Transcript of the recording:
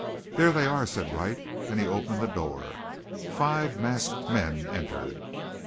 "There they are," said Wright, and he opened the door. Five masked men entered.